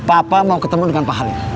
papa mau ketemu dengan pak halim